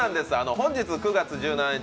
本日９月１７日